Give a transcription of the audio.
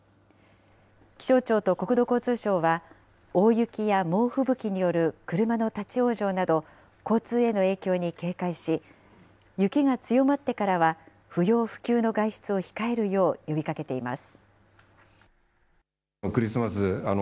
気象庁と国土交通省は、大雪や猛吹雪による車の立往生など、交通への影響に警戒し、雪が強まってからは不要不急の外出を控えるよう呼びかけています。